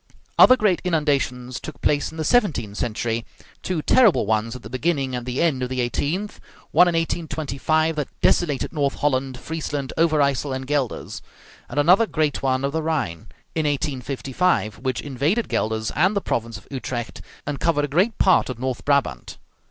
Other great inundations took place in the seventeenth century; two terrible ones at the beginning and the end of the eighteenth; one in 1825 that desolated North Holland, Friesland, Over Yssel, and Gueldres; and another great one of the Rhine, in 1855, which invaded Gueldres and the province of Utrecht, and covered a great part of North Brabant.